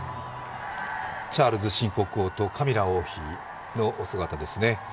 チャールズ新国王とカミラ王妃のお姿ですね。